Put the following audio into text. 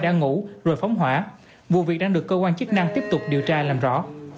đã ngủ rồi phóng hỏa vụ việc đang được cơ quan chức năng tiếp tục điều tra làm rõ